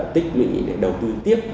tích nguyện để đầu tư tiếp